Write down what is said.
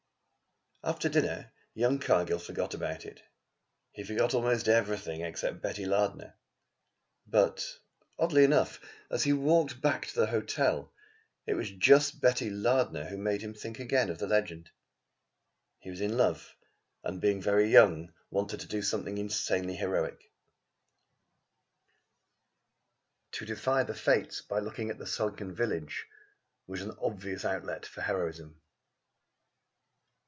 After dinner young Cargill forgot about it. He forgot almost everything except Betty Lardner. But, oddly enough, as he walked back to the hotel it was just Betty Lardner who made him think again of the legend. He was in love, and, being very young, wanted to do something insanely heroic. To defy the Fates by looking on the sunken village was an obvious outlet for heroism.